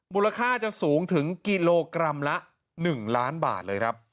มูลค่าจะสูงถึงกิโลกรัมละ๑ล้านบาทเลยครับ